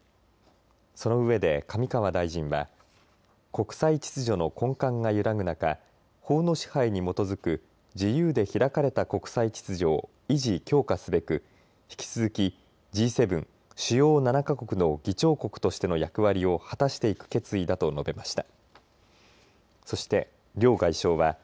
その上で、上川大臣は国際秩序の根幹が揺らぐ中法の支配に基づく自由で開かれた国際秩序を維持・強化すべく引き続きＧ７主要７か国としての役割を果たしていく決意だと述べました。